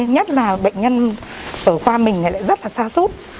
nhất là bệnh nhân ở khoa mình này lại rất là xa xúc